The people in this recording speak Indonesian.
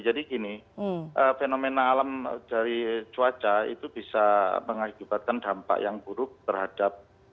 jadi gini fenomena alam dari cuaca itu bisa mengakibatkan dampak yang buruk terhadap